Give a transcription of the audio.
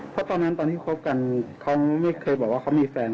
เพราะตอนนั้นตอนที่คบกันเขาไม่เคยบอกว่าเขามีแฟน